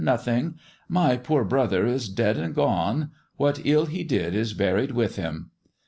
Nothing. My poor brother is dead and gone I What ill he did is buried with him."